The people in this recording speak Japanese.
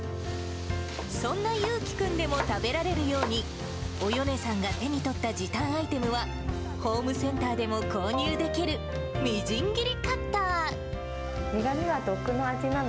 そんな由貴君でも食べられるように、およねさんが手に取った時短アイテムは、ホームセンターでも購入できるみじん切りカッター。